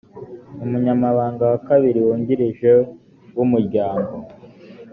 umunyamabanga wa kabiri wungirije w’umuryango